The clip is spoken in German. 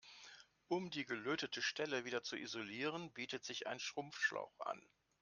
Um die gelötete Stelle wieder zu isolieren, bietet sich ein Schrumpfschlauch an.